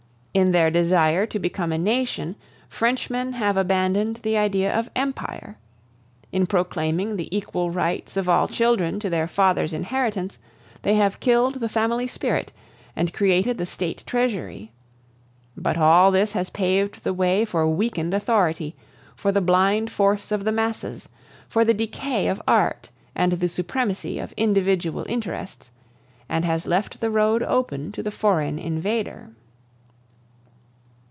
In their desire to become a nation, Frenchmen have abandoned the idea of empire; in proclaiming the equal rights of all children to their father's inheritance, they have killed the family spirit and created the State treasury. But all this has paved the way for weakened authority, for the blind force of the masses, for the decay of art and the supremacy of individual interests, and has left the road open to the foreign invader.